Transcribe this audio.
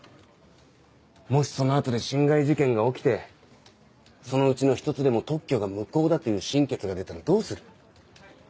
もしその後で侵害事件が起きてそのうちの一つでも特許が無効だという審決が出たらどうする。